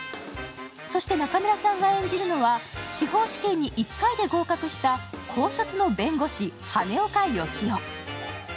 そして中村さんが演じるのは司法試験に１回で合格した高卒の弁護士・羽根岡佳男。